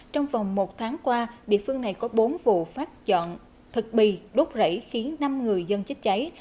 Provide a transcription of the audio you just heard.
trong vòng một tháng qua địa phương này có bốn vụ phát dọn thực bì đốt rẫy khiến năm người dân chết cháy